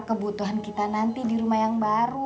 kebutuhan kita nanti di rumah yang baru